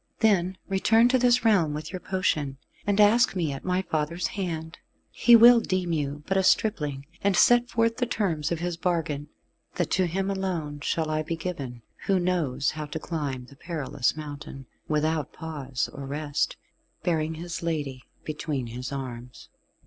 Then return to this realm with your potion, and ask me at my father's hand. He will deem you but a stripling, and set forth the terms of his bargain, that to him alone shall I be given who knows how to climb the perilous mountain, without pause or rest, bearing his lady between his arms."